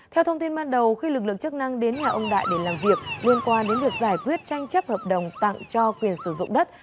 theo thông tin ban đầu khi lực lượng chức năng đến nhà ông đại để làm việc liên quan đến việc giải quyết tranh chấp hợp đồng tặng cho quyền sử dụng đất